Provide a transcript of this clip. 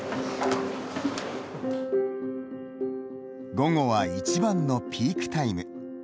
午後は一番のピークタイム。